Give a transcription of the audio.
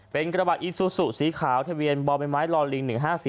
เป็นกระบาดอิซุสุสีขาวทะเบียนบอร์เบนไม้ลอลลิง๑๕๔๔